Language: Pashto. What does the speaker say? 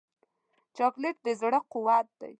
چاکلېټ د زړه قوت دی.